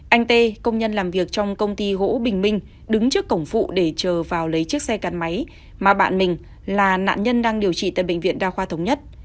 anh tê công nhân làm việc trong công ty gỗ bình minh đứng trước cổng phụ để chờ vào lấy chiếc xe cặt máy mà bạn mình là nạn nhân đang điều trị tại bệnh viện đa khoa thống nhất